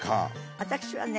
私はね